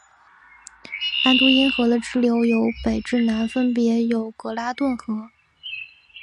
安都因河的支流由北至南分别有格拉顿河。